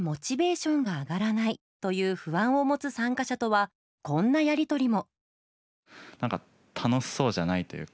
ションが上がらないという不安を持つ参加者とはこんなやり取りも。